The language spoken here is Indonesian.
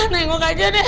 nengok aja deh